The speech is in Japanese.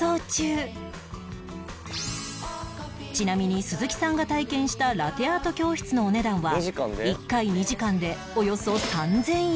ちなみに鈴木さんが体験したラテアート教室のお値段は１回２時間でおよそ３０００円